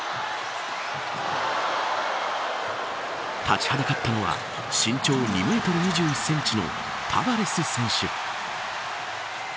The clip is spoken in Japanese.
立ちはだかったのは身長２メートル２１センチのタバレス選手。